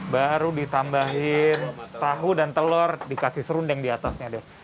baru ditambahin tahu dan telur dikasih serundeng diatasnya deh